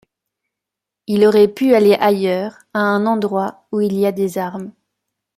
Il aurait pu aller ailleurs, à un endroit où il y a des armes.